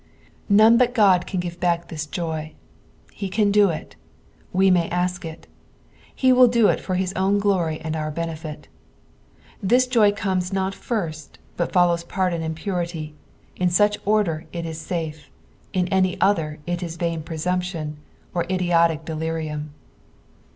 None but God can give ba<:k this joy ; he can do it ; we may ask it ; he will do it for his own glory and our benefit. This joy comes not fii^ but follows pardon nnd purity : in such order it is safe, in any other it is vain presumption or idiotic delirium.